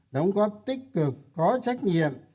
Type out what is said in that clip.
đóng góp tích cực có trách nhiệm